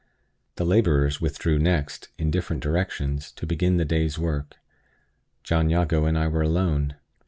The laborers withdrew next, in different directions, to begin the day's work. John Jago and I were alone.